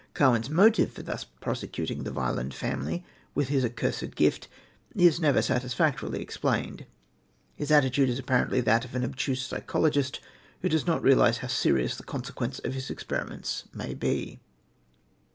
Carwin's motive for thus persecuting the Wieland family with his accursed gift is never satisfactorily explained. His attitude is apparently that of an obtuse psychologist, who does not realise how serious the consequence of his experiments may be.